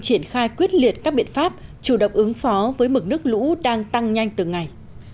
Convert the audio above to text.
triển khai quyết liệt các biện pháp chủ động ứng phó với mực nước lũ đang tăng nhanh từng ngày